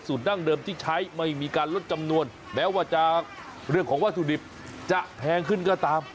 ดั้งเดิมที่ใช้ไม่มีการลดจำนวนแม้ว่าจะเรื่องของวัตถุดิบจะแพงขึ้นก็ตาม